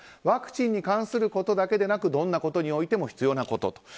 ワクチンに関することだけでなくどんなことにおいても必要なこと。